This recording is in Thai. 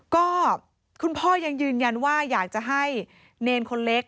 ก็คุณพ่อยังยืนยันว่าอยากจะให้เนรคนเล็ก